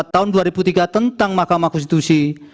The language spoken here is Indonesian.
tahun dua ribu tiga tentang mahkamah konstitusi